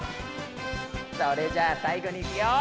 それじゃあ最後にいくよ。